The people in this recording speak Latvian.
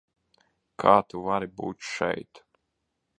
Kā tu vari būt šeit?